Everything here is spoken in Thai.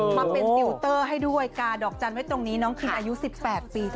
มาเป็นซิลเตอร์ให้ด้วยกาดอกจันไว้ตรงนี้น้องคินอายุสิบแปดปีนะคะ